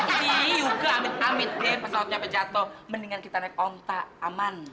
ini juga amit amit deh pesawatnya pejatuh mendingan kita naik onta aman